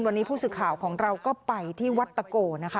วันนี้ผู้สึกข่าวของเราก็ไปที่วัตตะโก